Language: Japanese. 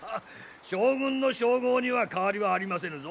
将軍の称号には変わりはありませぬぞ。